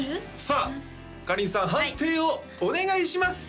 さあかりんさん判定をお願いします！